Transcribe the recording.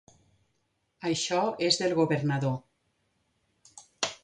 Això és del governador.